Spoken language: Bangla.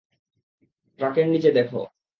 ট্রাকের নিচে দেখো।